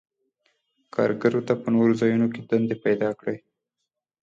کارګرو ته په نورو ځایونو کې دندې پیداکړي.